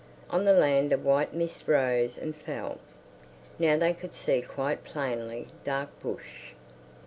On the land a white mist rose and fell. Now they could see quite plainly dark bush.